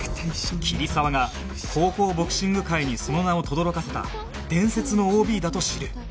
桐沢が高校ボクシング界にその名をとどろかせた伝説の ＯＢ だと知る